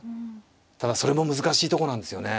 ただそれも難しいところなんですよね。